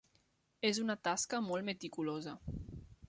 És una tasca molt meticulosa.